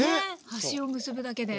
端を結ぶだけで。